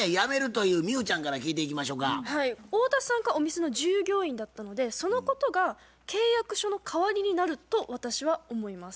太田さんがお店の従業員だったのでそのことが契約書の代わりになると私は思います。